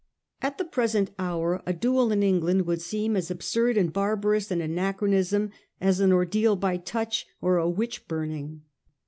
At the present hour a duel in Eng land would seem as absurd and barbarous an ana chronism as an ordeal by touch or a witch burning.